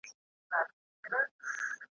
ځوان له سپي څخه بېحده په عذاب سو ,